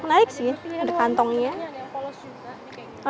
menarik sih ada kantongnya ada yang polos juga